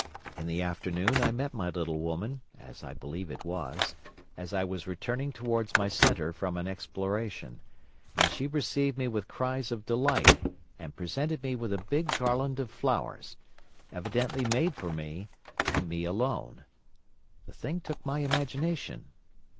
In the afternoon I met my little woman, as I believe it was, as I was returning towards my centre from an exploration, and she received me with cries of delight and presented me with a big garland of flowers—evidently made for me and me alone. The thing took my imagination.